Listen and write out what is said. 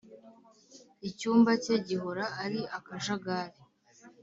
icyumba cye gihora ari akajagari.